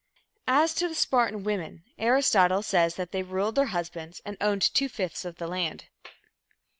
As to the Spartan women, Aristotle says that they ruled their husbands and owned two fifths of the land.